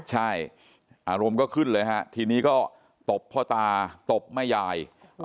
ใช่อารมณ์ก็ขึ้นเลยฮะทีนี้ก็ตบพ่อตาตบแม่ยาย